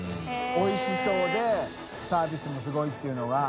おいしそうでサービスもすごいっていうのが。